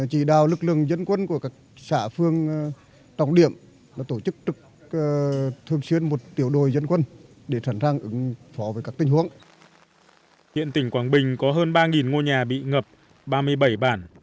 hiện tỉnh quảng bình có hơn ba ngôi nhà bị ngập ba mươi bảy bản